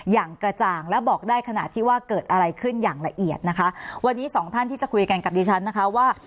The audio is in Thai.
อย่างกระจ่างและบอกได้ขณะที่ว่าเกิดอะไรขึ้นอย่างละเอียดนะคะวันนี้สองท่านที่จะคุยกันกับดิฉันนะคะว่า